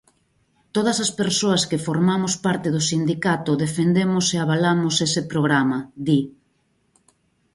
Todas as persoas que formamos parte do sindicato defendemos e avalamos ese programa, di.